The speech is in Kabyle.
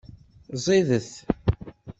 Ẓidet.